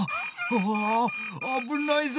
ああぶないぞ！